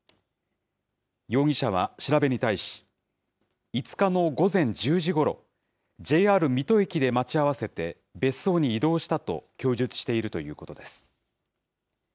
容疑者は調べに対し、５日の午前１０時ごろ、ＪＲ水戸駅で待ち合わせて、別荘に移動したと供述しているということです。